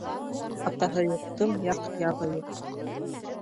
Атаһы юҡтың яҡ-яғы юҡ.